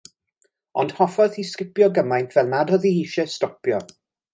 Ond hoffodd hi sgipio gymaint fel nad oedd hi eisiau stopio.